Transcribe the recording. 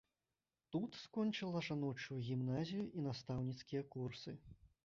Тут скончыла жаночую гімназію і настаўніцкія курсы.